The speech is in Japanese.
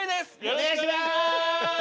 お願いします！